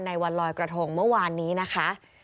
วันลอยกระทงเมื่อวานนี้นะคะ